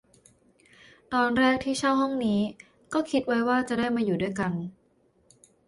ตอนแรกที่เช่าห้องนี้ ก็คิดไว้ว่าจะได้มาอยู่ด้วยกัน